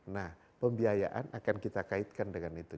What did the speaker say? nah pembiayaan akan kita kaitkan dengan itu